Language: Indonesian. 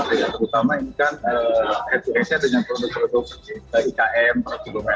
terutama ini kan f dua s nya punya produk produk ikm produk produk rmpm